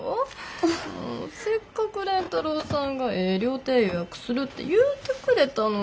もうせっかく蓮太郎さんがええ料亭予約するって言うてくれたのに。